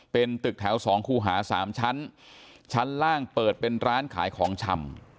เป็นตึกแถว๒คู่หาสามชั้นชั้นล่างเปิดเป็นร้านขายของชำ